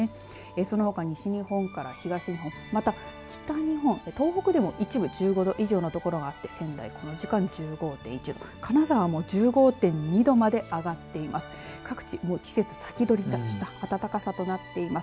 そのほか、西日本から東日本また北日本、東北でも一部１５度以上の所があって仙台、この時間１５．１度。金沢も１５．２度まで上がっています。